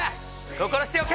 心しておけ！